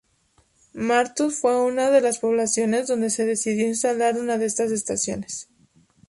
Martos fue una de las poblaciones donde se decidió instalar una de estas estaciones.